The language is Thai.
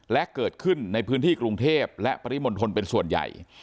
และเกิดขึ้นในพื้นที่กรุงเทพและปริมณฑลเป็นส่วนใหญ่